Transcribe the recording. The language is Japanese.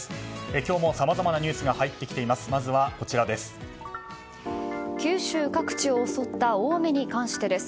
今日もさまざまなニュースが入ってきています。